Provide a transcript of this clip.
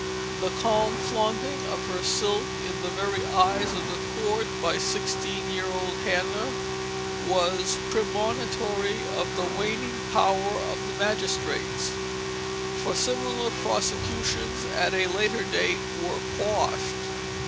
The calm flaunting of her silk in the very eyes of the Court by sixteen year old Hannah was premonitory of the waning power of the magistrates, for similar prosecutions at a later date were quashed.